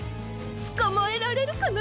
つかまえられるかな？